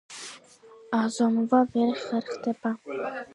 აზომვა ვერ ხერხდება.